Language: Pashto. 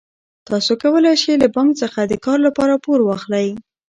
تاسو کولای شئ له بانک څخه د کار لپاره پور واخلئ.